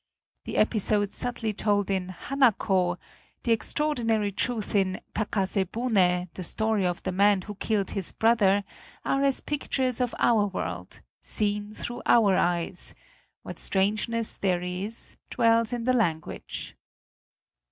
The episode subtly told in "Hanako," the extraordinary truth in "Takase Bune," the story of the man who killed his brother, are as pictures of our world, seen through our eyes; what strangeness there is, dwells in the language.